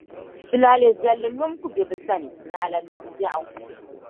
Tulaalɛ viɛlli nyom ku be bɛ sani, naɣila nyom biɛɣu.